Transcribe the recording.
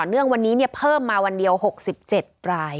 เนื่องวันนี้เพิ่มมาวันเดียว๖๗ราย